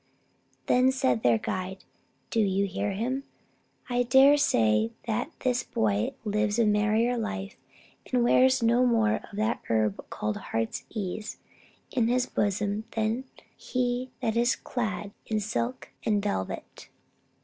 Then said their guide, Do you hear him? I will dare say that this boy lives a merrier life and wears more of that herb called Heart's ease in his bosom than he that is clad in silk and velvet."